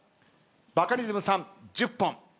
バカリズムさん１０本。